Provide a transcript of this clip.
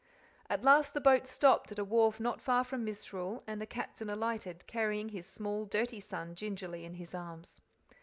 At last the boat stopped at a wharf not far from Misrule, and the Captain alighted, carrying his small dirty son gingerly in his arms.